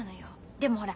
でもほら